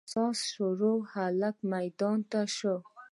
ساز شروع او هلک ميدان ته سو.